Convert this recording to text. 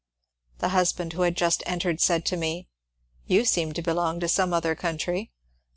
The husband who had just entered said to me, ^^ You seem to belong to some other country."